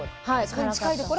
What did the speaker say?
はい。